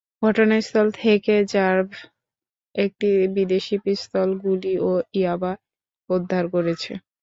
ঘটনাস্থল থেকে র্যাব একটি বিদেশি পিস্তল, গুলি ও ইয়াবা উদ্ধার করেছে।